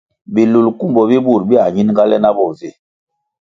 Bi lulkumbo bi bur biãh ñinga le na bo vi.